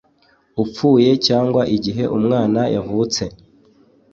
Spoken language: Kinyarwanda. upfuye cyangwa igihe umwana wavutse